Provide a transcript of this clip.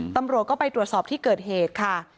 ตำรวจก็ไปตรวจสอบที่เกิดเหตุค่ะ